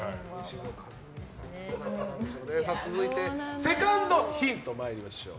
続いてセカンドヒント参りましょう。